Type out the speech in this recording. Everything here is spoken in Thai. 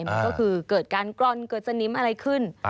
มันก็คือเกิดการกร่อนเกิดสนิมอะไรขึ้น